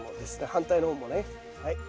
反対の方もねはい。